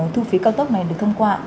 thu phí cao tốc này được thông qua